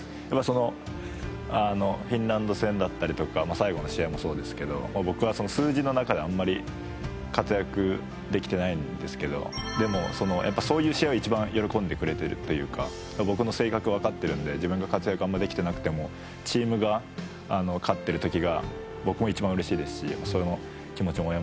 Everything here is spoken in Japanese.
そのフィンランド戦だったりとか最後の試合もそうですけど僕は、その数字の中ではあんまり活躍できてないんですけどでも、そういう試合を一番喜んでくれてるというか僕の性格を分かっているので自分が活躍あんまできてなくてもチームが勝ってる時が僕も一番うれしいですし。